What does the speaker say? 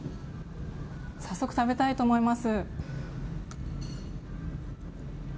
さっそく食べたいと思います。